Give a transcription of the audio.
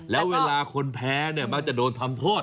แล้วเวลาคนแพ้เนี่ยมักจะโดนทำโทษ